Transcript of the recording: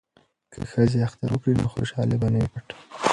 که ښځې اختر وکړي نو خوشحالي به نه وي پټه.